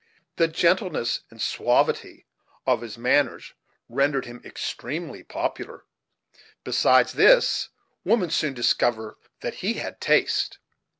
The gentleness and suavity of his manners rendered him extremely popular; besides this, the women soon discovered that he had taste.